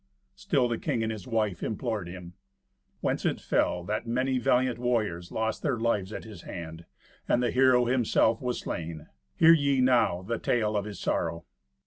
Still the king and his wife implored him. Whence it fell that many valiant warriors lost their lives at his hand, and the hero himself was slain. Hear ye now the tale of his sorrow.